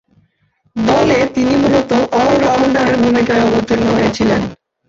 দলে তিনি মূলতঃ অল-রাউন্ডারের ভূমিকায় অবতীর্ণ হয়েছিলেন।